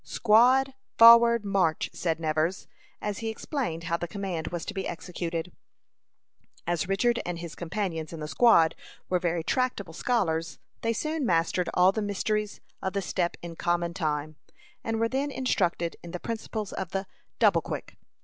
"Squad, forward march," said Nevers, as he explained how the command was to be executed. As Richard and his companions in the squad were very tractable scholars, they soon mastered all the mysteries of the step in common time, and were then instructed in the principles of the "double quick."